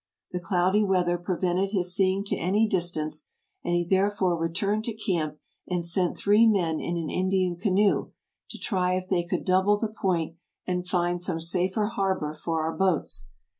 The cloudy weather prevented his seeing to any distance, and he therefore returned to camp and sent three men in an Indian canoe to try if they could double the point and find some safer harbor for our boats.